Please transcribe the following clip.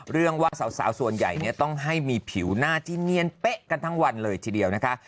เรื่องว่าสาวส่วนใหญ่เนี่ยต้องให้มีผิวหน้าที่เนียนเป๊ะกันทั้งวันเลยทีเดียวนะคะ